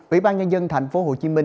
ủy ban nhân dân tp hcm